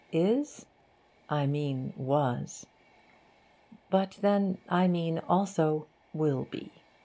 Is? I mean was. But then, I mean also will be.